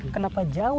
kenapa jauh jauh